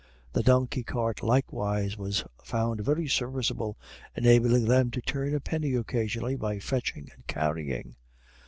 The donkey cart, likewise, was found very serviceable, enabling them to turn a penny occasionally by fetching and carrying.